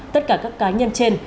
tất cả các cá nhân trên